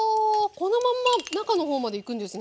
このまんま中の方までいくんですね。